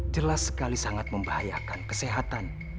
jelas sekali sangat membahayakan kesehatan